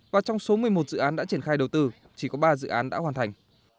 và trong số một mươi một dự án đã triển khai đầu tư chỉ có ba dự án đã hoàn thành